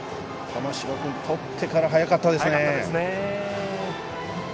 玉城君とってから速かったですね。